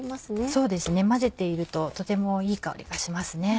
そうですね混ぜているととてもいい香りがします。